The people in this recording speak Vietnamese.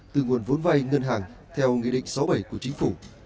từ nguồn vốn vay ngân hàng theo nghị định sáu mươi bảy của chính phủ